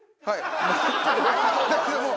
もう。